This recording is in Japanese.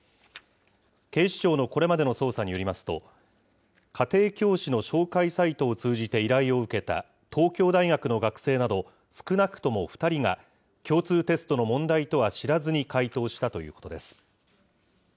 警視庁のこれまでの捜査によりますと、家庭教師の紹介サイトを通じて依頼を受けた、東京大学の学生など、少なくとも２人が、共通テストの問題とは知らずに解答したということです。